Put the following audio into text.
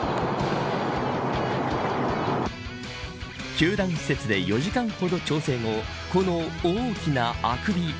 球団施設で４時間ほど調整後この大きなあくび。